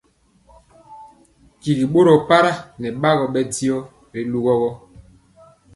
Tyigɔ boro para nɛ bagɔ bɛ diɔ ri lugɔ gɔ.